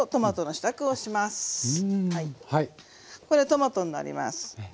これトマトになります。